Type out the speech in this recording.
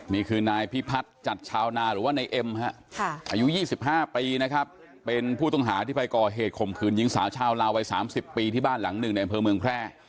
นี่คือนายพิพัฒน์จัดชาวนาหรือว่านายเอ็มอายุ๒๕ปีนะครับเป็นผู้ต้องหาที่ไปก่อเหตุข่มขืนหญิงสาวชาวลาววัย๓๐ปีที่บ้านหลังหนึ่งในอำเภอเมืองแพร่